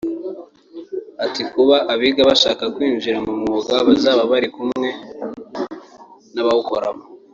Ati “ Kuba abiga bashaka kwinjira mu mwuga bazaba bari kumwe n’abawukoramo